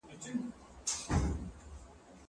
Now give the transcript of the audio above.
مکتب خلاص کړه!؟